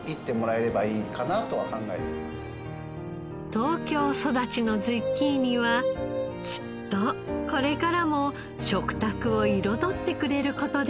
東京育ちのズッキーニはきっとこれからも食卓を彩ってくれる事でしょう。